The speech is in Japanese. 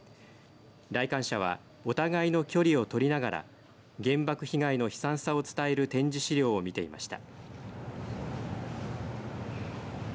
来館者はお互いの距離を取りながら原爆被害の悲惨さを伝える展示資料を見ていました。